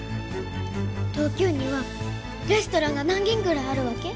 東京にはレストランが何軒ぐらいあるわけ？